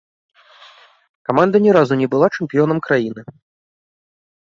Каманда ні разу не была чэмпіёнам краіны.